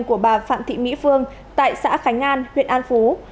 của bà phạm thị mỹ phương tại xã khánh an huyện an phú